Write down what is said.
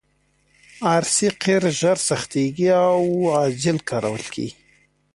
ار سي قیر ژر سختیږي او عاجل کارول کیږي